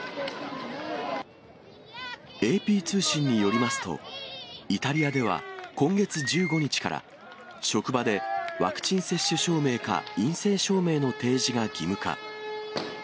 ＡＰ通信によりますと、イタリアでは今月１５日から、職場で、ワクチン接種証明か陰性証明の提示が義務化。